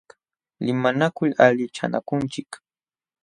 Limanakul allichanakunchik.